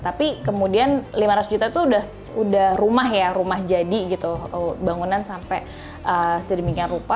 tapi kemudian lima ratus juta itu udah rumah ya rumah jadi gitu bangunan sampai sedemikian rupa